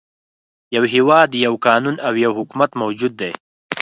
يو هېواد، یو قانون او یو حکومت موجود دی.